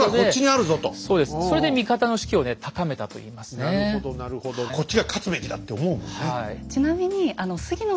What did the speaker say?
それでなるほどなるほどこっちが勝つべきだって思うもんね。